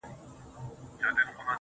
o ستا د غزلونو و شرنګاه ته مخامخ يمه.